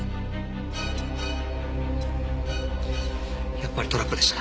やっぱりトラップでした。